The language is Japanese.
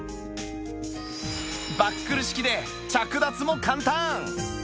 バックル式で着脱も簡単！